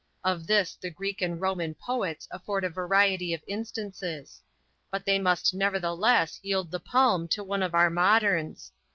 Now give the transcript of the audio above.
Of this the Greek and Roman poets afford a variety of instances; but they must nevertheless yield the palm to some of our moderns.